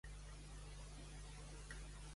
És propietat i està dirigida per Cycling Victoria.